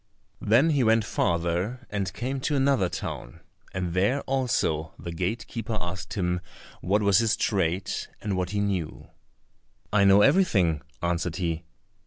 Then he went farther and came to another town, and there also the gatekeeper asked him what was his trade, and what he knew. "I know everything," answered he.